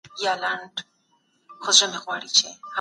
دا مجلس به د اقتصادي ودي لپاره وړانديزونه وکړي.